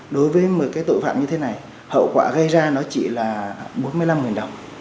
đối với một cái tội phạm như thế này hậu quả gây ra nó chỉ là bốn mươi năm đồng